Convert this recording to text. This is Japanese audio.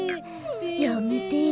やめてよ。